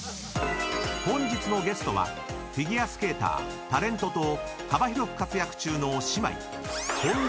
［本日のゲストはフィギュアスケータータレントと幅広く活躍中の姉妹］